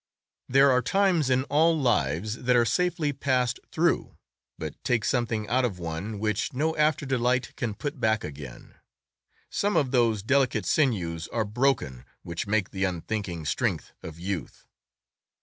There are times in all lives that are safely passed through, but take something out of one which no after delight can put back again; some of those delicate sinews are broken which make the unthinking strength of youth.